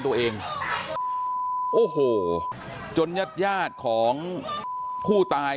ต้องมาป้องเพื่อนมาปกป้องเพื่อน